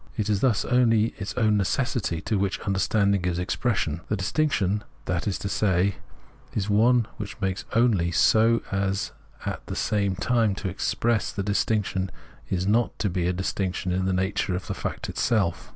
It is thus only its own necessity to which un.derstanding gives expression — the distinction, that is to say, is one which it makes only so as at the same time to express that the distinction is not to be a distinction in the nature of the fact itself.